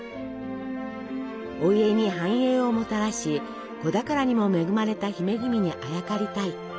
お家に繁栄をもたらし子宝にも恵まれた姫君にあやかりたい。